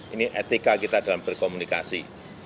ini etika kita dalam berkomunikasi